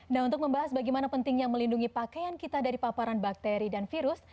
nah untuk membahas bagaimana pentingnya melindungi pakaian kita dari paparan bakteri dan virus